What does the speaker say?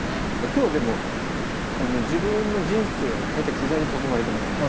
今日はでも自分の人生を変えた機材に囲まれてますね。